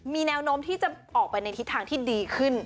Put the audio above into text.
มีแนวโน้มที่จะออกไปในทิศทางที่ดีขึ้น